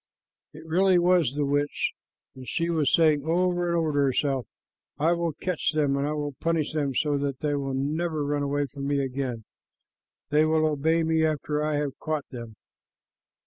It really was the witch, and she was saying over and over to herself, "I will catch them, and I will punish them so that they will never run away from me again. They will obey me after I have caught them."